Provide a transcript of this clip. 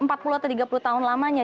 empat puluh atau tiga puluh tahun lamanya